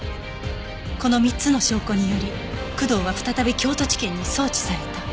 この３つの証拠により工藤は再び京都地検に送致された